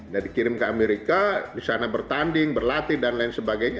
nah dikirim ke amerika di sana bertanding berlatih dan lain sebagainya